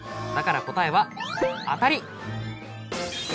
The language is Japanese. だから答えは「あたり」。